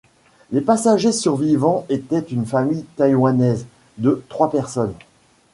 Les passagers survivants étaient une famille taïwanaise de trois personnes.